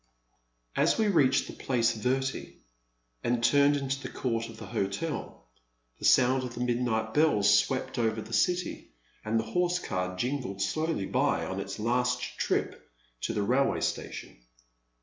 As we reached the Place Verte and turned into the court of the hotel, the sound of the midnight bells swept over the city, and a horse car jingled slowly by on its last trip to the railroad station.